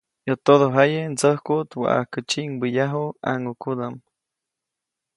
Yäʼ todojaye ndsäjkuʼt waʼajke tsyiʼŋbäyaju ʼãŋʼukudaʼm.